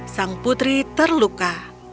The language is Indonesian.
sang putri terluka